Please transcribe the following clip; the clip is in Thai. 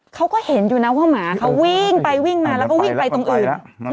เขาก็เห็นอยู่นะว่าหมาเขาวิ่งไปวิ่งมาแล้วก็วิ่งไปตรงอื่น